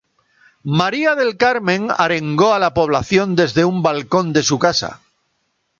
María del Carmen arengó a la población desde un balcón de su casa.